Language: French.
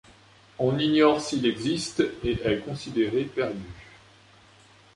On ignore s'il existe et est considéré perdu.